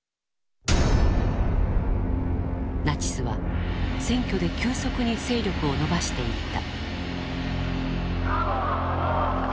ナチスは選挙で急速に勢力を伸ばしていった。